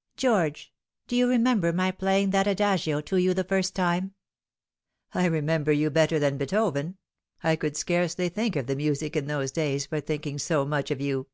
" George, do you remember my playing that adagio to you for the first time :'"" I remember you better than Beethoven. I could scarcely think of the music in those days for thinking so much of you."